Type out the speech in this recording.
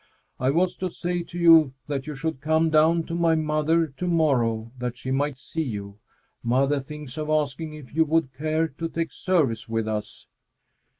"I was to say to you that you should come down to my mother to morrow that she might see you. Mother thinks of asking if you would care to take service with us."